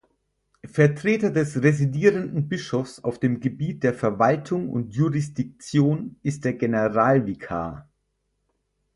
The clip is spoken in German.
Vertreter des residierenden Bischofs auf dem Gebiet der Verwaltung und Jurisdiktion ist der Generalvikar.